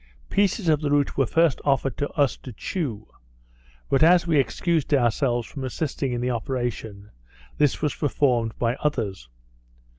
Pieces of the root were first offered us to chew; but as we excused ourselves from assisting in the operation, this was performed by others.